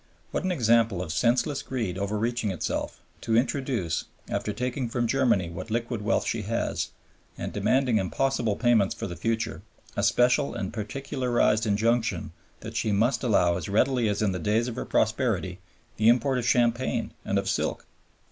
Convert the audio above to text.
What an example of senseless greed overreaching itself, to introduce, after taking from Germany what liquid wealth she has and demanding impossible payments for the future, a special and particularized injunction that she must allow as readily as in the days of her prosperity the import of champagne and of silk!